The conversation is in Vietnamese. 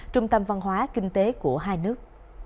trung tâm văn hóa kinh tế của hai nước